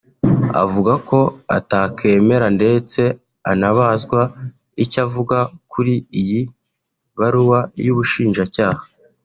avuga ko atakemera ndetse anabazwa icyo avuga kuri iyi baruwa y’ubushinjacyaha